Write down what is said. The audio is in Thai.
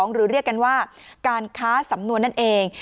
หรือเรียกกันว่าการค้าสำนวนนั่นเอง